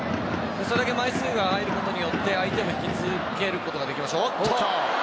それだけ枚数が入ることによって相手を引きつけることができますし。